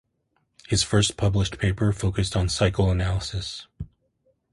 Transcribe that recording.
His first published paper focused on psychoanalysis.